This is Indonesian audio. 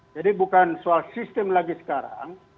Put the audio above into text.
jadi bukan soal sistem lagi sekarang